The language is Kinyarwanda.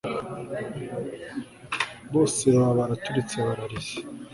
bose baba baraturitse bararize